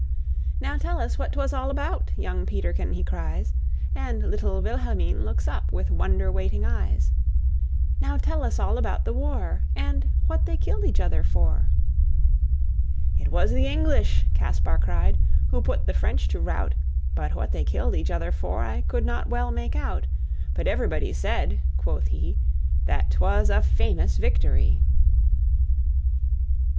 "Now tell us what 'twas all about," Young Peterkin he cries; And little Wilhelmine looks up With wonder waiting eyes; "Now tell us all about the war, And what they killed each other for." "It was the English," Kaspar cried, "Who put the French to rout; But what they killed each other for I could not well make out. But everybody said," quoth he, "That 'twas a famous victory!